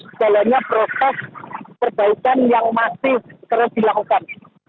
segalanya proses perbaikan yang masih terus dilakukan